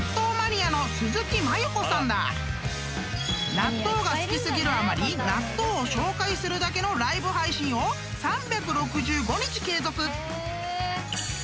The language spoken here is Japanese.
［納豆が好き過ぎるあまり納豆を紹介するだけのライブ配信を３６５日継続］